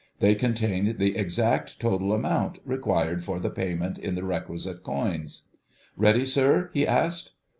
They contained the exact total amount required for the payment in the requisite coins. "Ready, sir?" he asked.